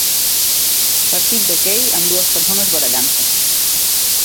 partit d'hoquei amb dues persones barallant-se